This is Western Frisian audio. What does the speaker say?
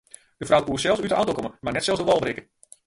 De frou koe sels út de auto komme mar net sels de wâl berikke.